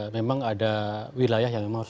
memang ada wilayah yang emosional